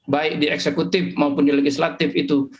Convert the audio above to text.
baik di eksekutif maupun di legislatif itu